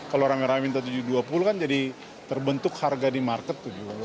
kalau orang orang minta tujuh dua puluh kan jadi terbentuk harga di market tujuh dua puluh